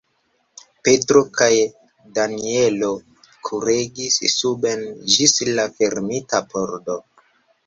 Petro kaj Danjelo kuregis suben ĝis la fermita pordo.